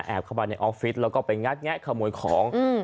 เข้าไปในออฟฟิศแล้วก็ไปงัดแงะขโมยของ